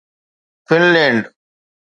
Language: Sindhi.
فنلينڊ